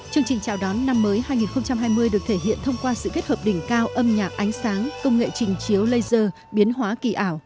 chương trình chào đón năm mới hai nghìn hai mươi được thể hiện thông qua sự kết hợp đỉnh cao âm nhạc ánh sáng công nghệ trình chiếu laser biến hóa kỳ ảo